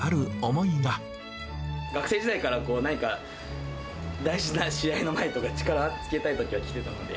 学生時代から何か大事な試合の前とか、力をつけたいときは来てたので。